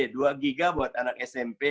dua giga buat anak smp